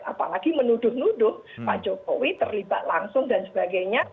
apalagi menuduh nuduh pak jokowi terlibat langsung dan sebagainya